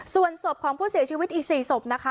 ส่วนศพของผู้เสียชีวิตอีก๔ศพนะคะ